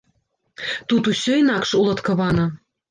Тут усё інакш уладкавана.